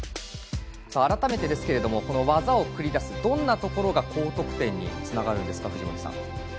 改めてですけども技を繰り出す、どんなところが高得点につながるんですか藤森さん。